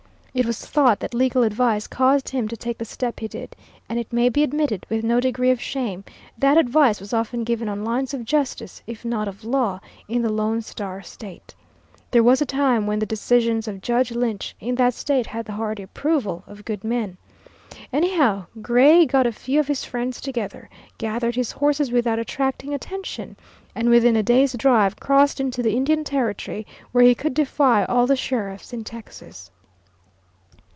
It was thought that legal advice caused him to take the step he did, and it may be admitted, with no degree of shame, that advice was often given on lines of justice if not of law, in the Lone Star State. There was a time when the decisions of Judge Lynch in that State had the hearty approval of good men. Anyhow, Gray got a few of his friends together, gathered his horses without attracting attention, and within a day's drive crossed into the Indian Territory, where he could defy all the sheriffs in Texas.